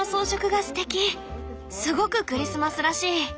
すごくクリスマスらしい！